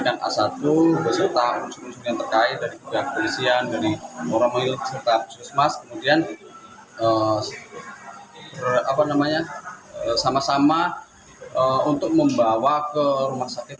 dan selanjutnya akan dilakukan disunur